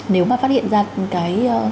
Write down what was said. nếu mà phát hiện ra cái